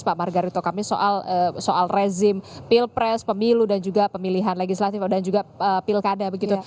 pak margarito kami soal rezim pilpres pemilu dan juga pemilihan legislatif dan juga pilkada begitu